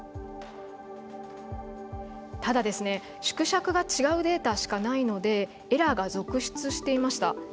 ただ、縮尺が違うデータしかないのでエラーが続出していました。